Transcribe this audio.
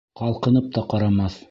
Ҡалҡынып та ҡарамаҫ.